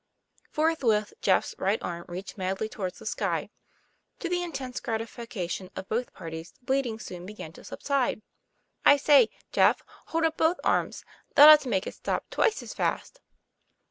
Forthwith, Jeff's right arm reached madly toward the sky. To the intense gratification of both parties the bleeding soon began to subside. " I say, Jeff, hold up both arms, that ought to make it stop twice as fast."